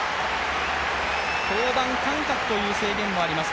登板間隔という制限もあります。